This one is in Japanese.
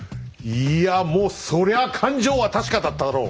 いやもうそりゃ勘定は確かだったろう。